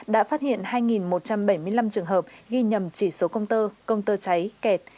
đã phát hiện hai một trăm bảy mươi năm trường hợp ghi nhầm chỉ số công tơ công tơ cháy kẹt